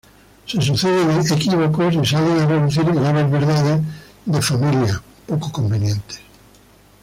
Se suceden equívocos y salen a relucir graves verdades de familia poco convenientes.